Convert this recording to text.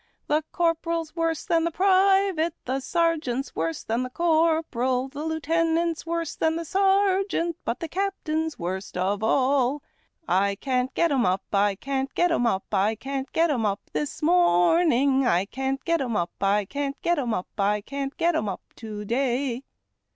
The corporal's worse than the private. The sergeant's worse than the corporal, A DAY IN CAMP. 169 The lieutenant's worse than the sergeant, But the captahi's worst of all. I can't get 'em up, I can't get 'em up, I can't get 'em up this morning; I can't get 'em up, I can't get 'em up, I can't get 'em up to day.